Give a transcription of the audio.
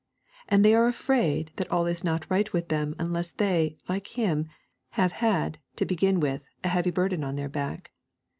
And they are afraid that all is not right with them unless they, like him, have had, to begin with, a heavy burden on their back.